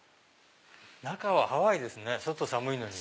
中はハワイですね外寒いのに。